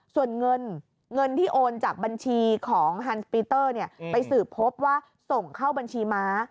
ส่วนเงินเงินที่โอนจากบัญชีของฮันสปีเตอร์ไปสืบพบว่าส่งเข้าบัญชีม้า